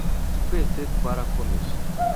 Twese twarakomeje